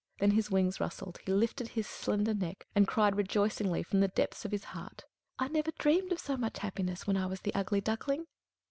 Then his wings rustled, he lifted his slender neck, and cried rejoicingly from the depths of his heart: "I never dreamed of so much happiness when I was the Ugly Duckling!"